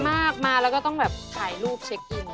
มากมาแล้วก็ต้องแบบถ่ายรูปเช็คอิน